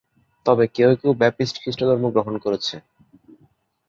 তবে কেউ কেউ ব্যাপ্টিস্ট খ্রিস্টধর্ম গ্রহণ করেছে।